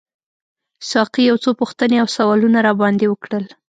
ساقي یو څو پوښتنې او سوالونه راباندي وکړل.